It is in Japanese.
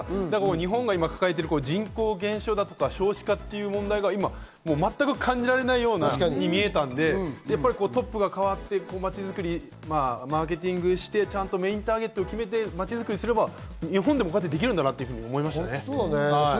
日本が抱えている人口減少、少子化が感じられないように見えたので、トップが代わって、まちづくり、マーケティングしてメインターゲットを決めてまちづくりすれば、日本でもこうやってできるんだなと思いましたね。